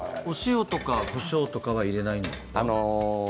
お塩とかこしょうは入れないｎですか。